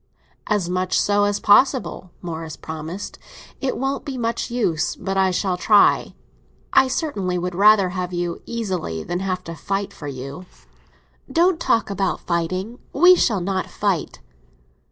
"As much so as possible," Morris promised. "It won't be much use, but I shall try. I certainly would rather have you easily than have to fight for you." "Don't talk about fighting; we shall not fight."